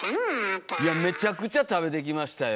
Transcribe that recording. いやめちゃくちゃ食べてきましたよ。